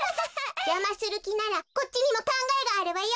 じゃまするきならこっちにもかんがえがあるわよ。